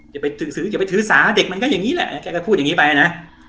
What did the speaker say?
อย่าไปถือสาเด็กมันก็อย่างนี้แหละแกก็พูดอย่างนี้ไปนะ